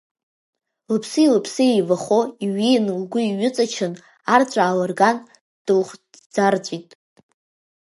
Лыԥси-лыԥси еивахо иҩеин лгәы иҩыҵачын, арҵәаа лырган дылхәӡарҵәит.